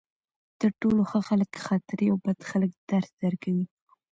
تر ټولو ښه خلک خاطرې او بد خلک درس درکوي.